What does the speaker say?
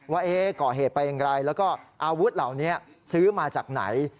ว่าก่อเหตุไปอย่างไรแล้วก็อาวุธเหล่านี้ซื้อมาจากไหน